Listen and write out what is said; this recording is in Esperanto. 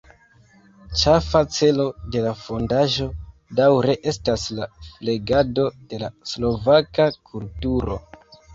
Ĉefa celo de la fondaĵo daŭre estas la flegado de la slovaka kulturo.